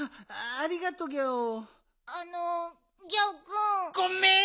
あのギャオくん。ごめん！